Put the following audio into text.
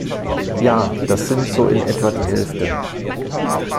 Ja, das sind so in etwa die Hälfte.